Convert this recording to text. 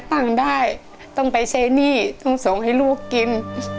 ไม่ได้ตั้งได้ต้องไปเช่นหนี้ต้องส่งให้ลูกกิน